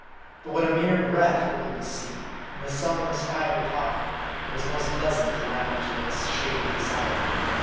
But when a mere breath rippled the sea, and the sun was fiery hot, it was most pleasant to lounge in this shady asylum.